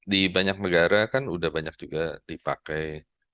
di banyak negara kan udah banyak juga dipakai